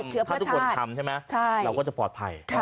ถ้าทุกคนทำใช่ไหมเราก็จะปลอดภัย